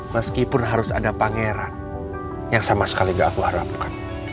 meskipun harus ada pangeran yang sama sekali gak aku harapkan